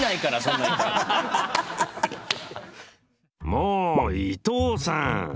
もう伊藤さん！